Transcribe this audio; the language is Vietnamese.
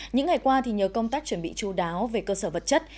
những ngày qua nhờ công tác chuẩn bị chú đáo về cơ sở vật chất